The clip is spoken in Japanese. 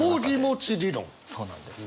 そうなんです。